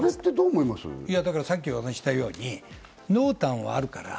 だから、さっきお話したように濃淡はあるから。